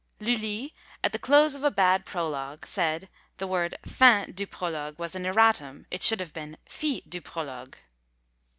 Lully, at the close of a bad prologue said, the word fin du prologue was an erratum, it should have been fi du prologue!